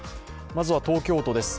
まずは東京都です。